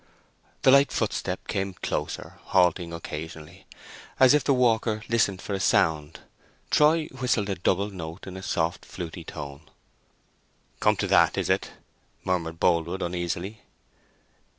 The light footstep came closer, halting occasionally, as if the walker listened for a sound. Troy whistled a double note in a soft, fluty tone. "Come to that, is it!" murmured Boldwood, uneasily.